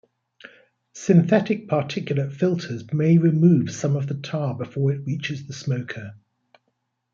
Synthetic particulate filters may remove some of the tar before it reaches the smoker.